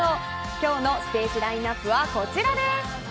今日のステージラインアップはこちらです。